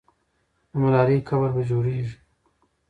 د ملالۍ قبر به جوړېږي.